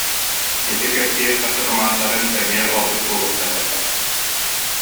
Ити кэп- сиир тахсыхамааннарыҥ эмиэ оннук буолуохтара ээ